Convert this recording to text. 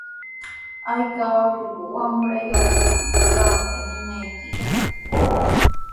¿Ayka ullqu wamrayuqtaq qampa ñañaykiqa?